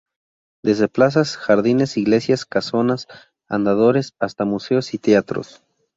Desde plazas, jardines, iglesias, casonas, andadores, hasta museos y teatros.